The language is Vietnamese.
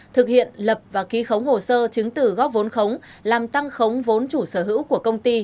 thực hiện lập và ký khống hồ sơ chứng tử góp vốn khống làm tăng khống vốn chủ sở hữu của công ty